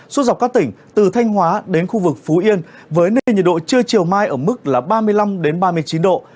suốt dọc các tỉnh từ thanh hóa đến khu vực phú yên với nền nhiệt độ trưa chiều mai ở mức ba mươi năm ba mươi chín độ